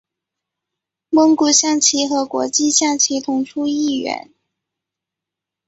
蒙古象棋和国际象棋同出一源。